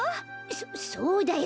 そそうだよ。